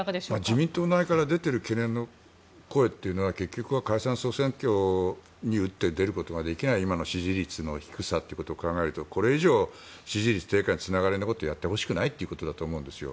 自民党内から出ている懸念の声というのは結局は解散・総選挙に打って出ることができない今の支持率の低さということを考えるとこれ以上、支持率低下につながるようなことをやってほしくないということだと思うんです。